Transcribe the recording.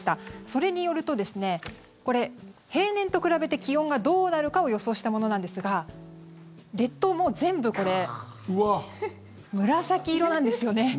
それによると平年と比べて気温がどうなるかを予想したものなんですが列島、もう全部これ紫色なんですよね。